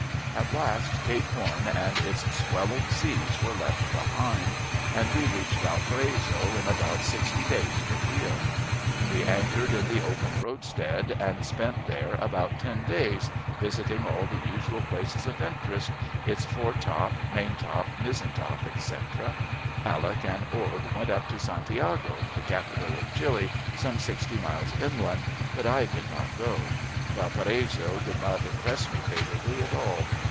At last Cape Horn and its swelling seas were left behind, and we reached Valparaiso in about sixty days from Rio. We anchored in the open roadstead, and spent there about ten days, visiting all the usual places of interest, its foretop, main top, mizzen top, etc. Halleck and Ord went up to Santiago, the capital of Chili, some sixty miles inland, but I did not go. Valparaiso did not impress me favorably at all.